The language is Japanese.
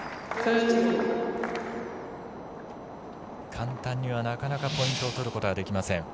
簡単にはなかなかポイントを取ることができません。